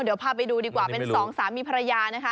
เดี๋ยวพาไปดูดีกว่าเป็นสองสามีภรรยานะคะ